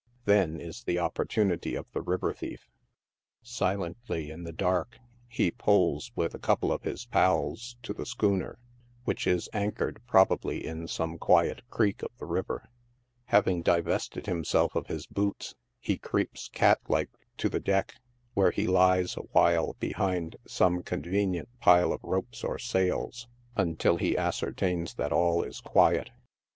Then is the opportunity of the river thief. Silently, in the dark, he pulls, with a couple of his " pals," to the schooner, which is anchored, probably, in some quiet creek of the river. Having divested him self of his boots, he creeps, cat like, to the deck, where he lies awhile behind some convenient pile of ropes or sails, until he ascer tains that all is quiet.